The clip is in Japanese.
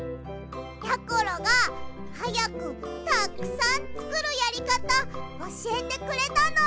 やころがはやくたくさんつくるやりかたおしえてくれたの。